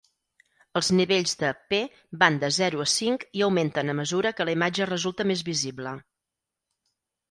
Els nivells de p van de zero a cinc i augmenten a mesura que la imatge resulta més visible.